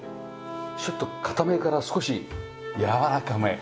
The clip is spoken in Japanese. ちょっと硬めから少しやわらかめ。